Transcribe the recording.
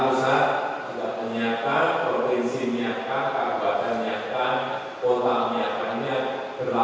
kota menyiapkannya berlapis lapis seperti ini sehingga tidak ada semua yang terjejak